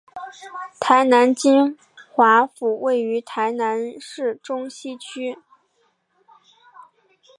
台南金华府位于台南市中西区。